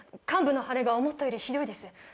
患部の腫れが思ったよりひどいです。